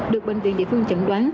được bệnh viện địa phương chẩn đoán